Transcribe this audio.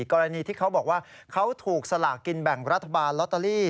กรณีที่เขาบอกว่าเขาถูกสลากกินแบ่งรัฐบาลลอตเตอรี่